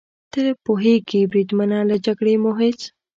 ته پوهېږې بریدمنه، له جګړې مو هېڅ.